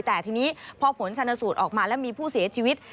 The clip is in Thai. แต่ทีนี้พอผลชนสูตรออกมาแล้วมีผู้เสียชีวิต